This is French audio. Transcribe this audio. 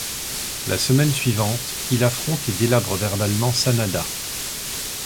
La semaine suivante, il affronte et délabre verbalement Sanada.